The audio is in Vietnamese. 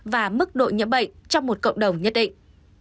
và mức độ nhiễm bệnh trong một cộng đồng nhất định